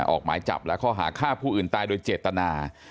ออกหมายจับและข้อหาฆ่าผู้อื่นตายโดยเจตนา